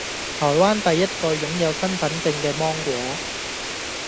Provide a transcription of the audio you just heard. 台灣第一個擁有身分證嘅芒果